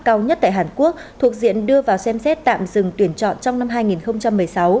cao nhất tại hàn quốc thuộc diện đưa vào xem xét tạm dừng tuyển chọn trong năm hai nghìn một mươi sáu